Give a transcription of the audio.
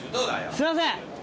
すいません。